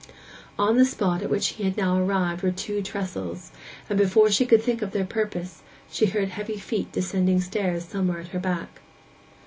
On the spot at which she had now arrived were two trestles, and before she could think of their purpose she heard heavy feet descending stairs somewhere at her back.